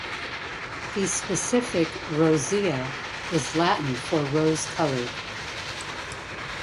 The specific "rosea" is Latin for "rose-coloured".